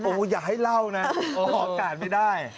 ผมอยากให้เล่านะอ๋อการไม่ได้